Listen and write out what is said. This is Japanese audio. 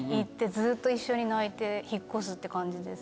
ずっと一緒に泣いて引っ越すって感じです。